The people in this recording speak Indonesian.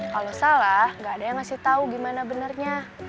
kalau salah gak ada yang ngasih tahu gimana benernya